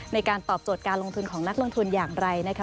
ในการตอบโจทย์การลงทุนของนักลงทุนอย่างไรนะคะ